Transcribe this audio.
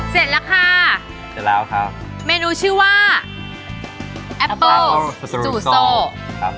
เสร็จแล้วค่ะเสร็จแล้วครับเมนูชื่อว่าแอปเปิ้ลจูโซครับ